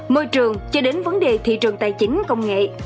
môi trường cho đến vấn đề thị trường tài chính công nghệ